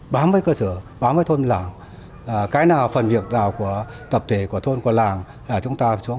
bám với cơ sở bám với thôn làng cái nào phần việc nào của tập thể của thôn của làng là chúng ta phải xuống